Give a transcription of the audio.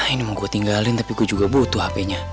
ini mau gue tinggalin tapi gue juga butuh handphonenya